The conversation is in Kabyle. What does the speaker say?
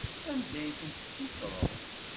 Anda ay ten-tessutreḍ?